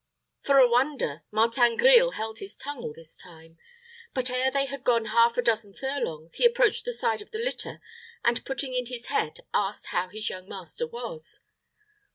For a wonder, Martin Grille held his tongue all this time; but ere they had gone half a dozen furlongs, he approached the side of the litter, and, putting in his head, asked how his young master was.